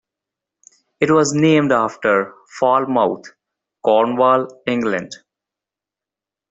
It was named after Falmouth, Cornwall, England.